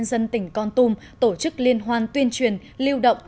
dân tỉnh con tum tổ chức liên hoan tuyên truyền lưu động